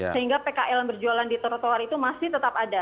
sehingga pkl yang berjualan di trotoar itu masih tetap ada